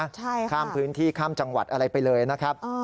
ใช่ค่ะข้ามพื้นที่ข้ามจังหวัดอะไรไปเลยนะครับ